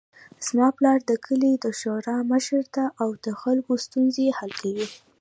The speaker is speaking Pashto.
زما پلار د کلي د شورا مشر ده او د خلکو ستونزې حل کوي